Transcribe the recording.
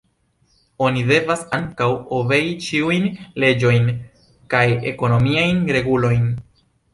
Oni devas ankaŭ obei ĉiujn leĝojn kaj ekologiajn regulojn.